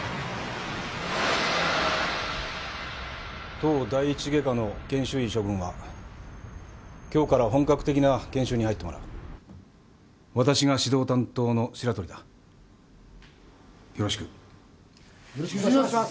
・当第一外科の研修医諸君は今日から本格的な研修に入ってもらう私が指導担当の白鳥だよろしくよろしくお願いします